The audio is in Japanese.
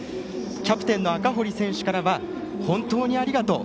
キャプテンの赤堀選手からは本当にありがとう。